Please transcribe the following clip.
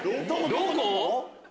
どこ？